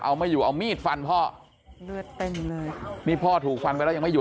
เอาไม่อยู่เอามีดฟันพ่อเลือดเต็มเลยนี่พ่อถูกฟันไปแล้วยังไม่อยู่